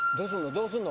どうすんの？